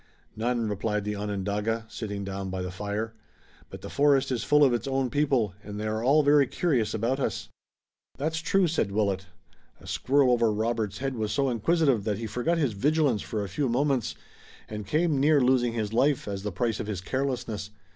"None," replied the Onondaga, sitting down by the fire. "But the forest is full of its own people, and they are all very curious about us." "That's true," said Willet, "a squirrel over Robert's head was so inquisitive that he forgot his vigilance for a few moments and came near losing his life as the price of his carelessness.